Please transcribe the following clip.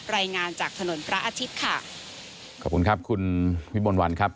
รายงานจากถนนพระอาทิตย์ค่ะขอบคุณครับคุณวิมลวันครับ